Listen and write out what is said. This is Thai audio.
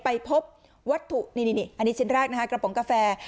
ไปพบวัตถุนี่อันนี้ชิ้นแรกนะฮะกระป๋องกาแฟ